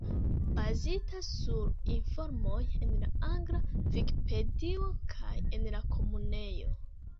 Bazita sur informoj en la angla Vikipedio kaj en la Komunejo.